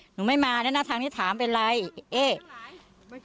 หนูไม่มาแล้วนะทางนี้ถามเป็นไรเอ๊ะ